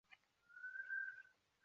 首府斯法克斯。